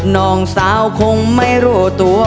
น้องสาวคงไม่รู้ตัว